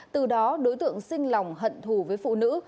từ đó đối tượng xinh lòng hận thù với phụ nữ